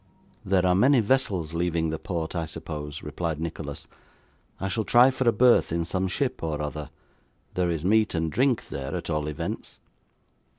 'There are many vessels leaving the port, I suppose,' replied Nicholas. 'I shall try for a berth in some ship or other. There is meat and drink there at all events.